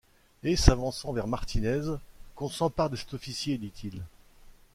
Et s’avançant vers Martinez: « Qu’on s’empare de cet officier! dit-il.